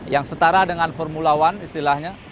yang setara dengan formula one istilahnya